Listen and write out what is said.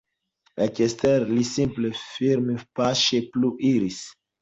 Ekstere, li simple firmpaŝe plu iris.